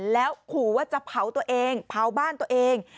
แล้วขู่ว่าจะเผาตัวเองเผาบ้านตัวเอง